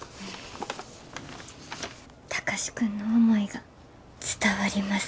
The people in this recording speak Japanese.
貴司君の思いが伝わりますように。